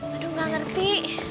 aduh gak ngerti